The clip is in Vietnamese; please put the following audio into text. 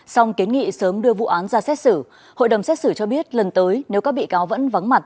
xong kiến nghị sớm đưa vụ án ra xét xử hội đồng xét xử cho biết lần tới nếu các bị cáo vẫn vắng mặt